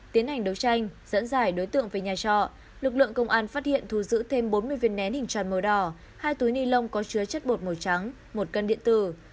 tiến hành đấu tranh dẫn dải đối tượng về nhà trọ lực lượng công an phát hiện thu giữ thêm bốn mươi viên nén hình tròn màu đỏ hai túi ni lông có chứa chất bột màu trắng một cân điện tử